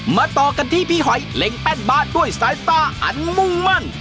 ต่อกันที่พี่หอยเล็งแป้นบ้านด้วยสายตาอันมุ่งมั่น